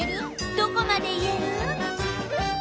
どこまで言える？